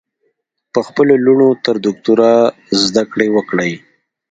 په خپلو لوڼو تر دوکترا ذدکړي وکړئ